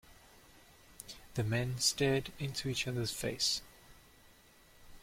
The men stared into each other's face.